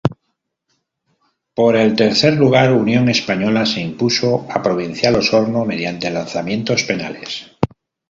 Por el tercer lugar, Unión Española se impuso a Provincial Osorno mediante lanzamientos penales.